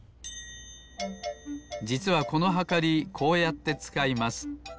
じつはこのはかりこうやってつかいます。